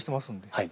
はい。